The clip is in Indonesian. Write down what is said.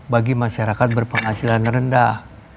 bagi masyarakat berpenghasilan rendah